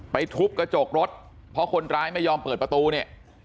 ทุบกระจกรถเพราะคนร้ายไม่ยอมเปิดประตูเนี่ย